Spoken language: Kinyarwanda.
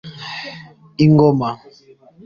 Ingoma